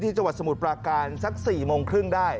จังหวัดสมุทรปราการสัก๔โมงครึ่งได้